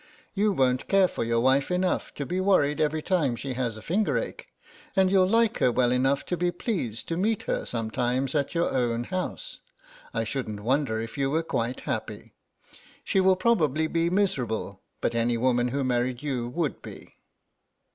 You won't care for your wife enough to be worried every time she has a finger ache, and you'll like her well enough to be pleased to meet her sometimes at your own house. I shouldn't wonder if you were quite happy. She will probably be miserable, but any woman who married you would be."